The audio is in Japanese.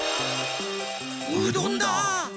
うどんだ！